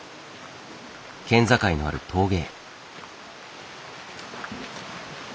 県境のある峠へ。